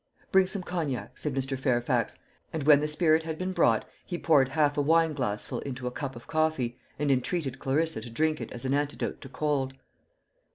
"Bring some cognac," said Mr. Fairfax; and when the spirit had been brought, he poured half a wine glassful into a cup of coffee, and entreated Clarissa to drink it as an antidote to cold.